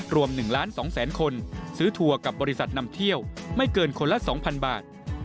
รวม๑ล้าน๒แสนคนซื้อทัวร์กับบริษัทนำเที่ยวไม่เกินคนละ๒๐๐๐บาท